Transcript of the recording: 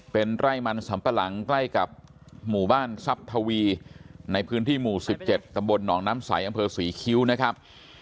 เป็นไร่มันสำปะหลังใกล้กับหมู่บ้านทรัพย์ทวีในพื้นที่หมู่๑๗ตำบลหนองน้ำใสอำเภอศรีคิ้วนะครับ